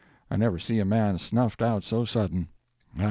I never see a man snuffed out so sudden.